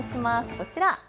こちら。